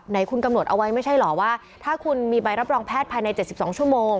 คุณกำหนดเอาไว้ไม่ใช่เหรอว่าถ้าคุณมีใบรับรองแพทย์ภายใน๗๒ชั่วโมง